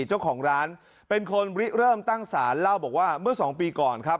เจ้าของร้านเป็นคนริเริ่มตั้งสารเล่าบอกว่าเมื่อสองปีก่อนครับ